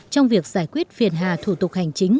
trong việc giải quyết phiền hà thủ tục hành chính